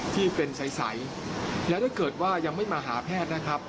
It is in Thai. ที่เป็นใสและถ้าเกิดว่ายังไม่มาหาแพทย์นะครับ